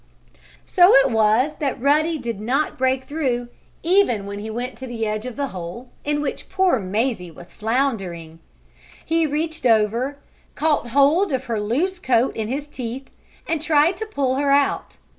So it was that Ruddy did not break through, even when he went to the edge of the hole, in which poor Mazie was floundering. He reached over, caught hold of her loose coat in his teeth, and tried to pull her out.